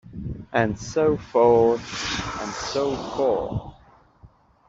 And so forth and so forth.